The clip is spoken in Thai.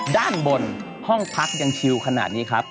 ด้านบนห้องพักยังชิวขนาดนี้ครับ